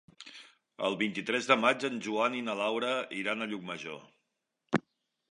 El vint-i-tres de maig en Joan i na Laura iran a Llucmajor.